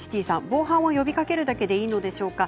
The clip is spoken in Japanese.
防犯を呼びかけるだけでいいのでしょうか。